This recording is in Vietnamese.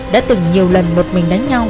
đã từng nhiều lần một mình đánh nhau